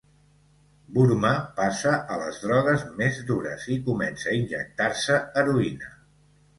Burma passa a les drogues més dures i comença a injectar-se heroïna.